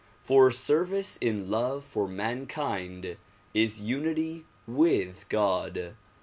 For service in love for mankind is unity with God.